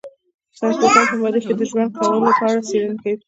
ساينس پوهان په مريخ کې د ژوند کولو په اړه څېړنې کوي.